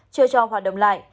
chưa cho hoạt động lại